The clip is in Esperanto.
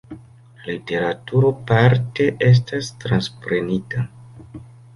La literaturo parte estas transprenita.